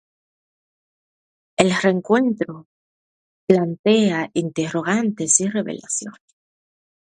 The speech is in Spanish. El reencuentro plantea interrogantes y revelaciones.